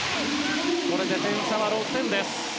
これで点差は６点です。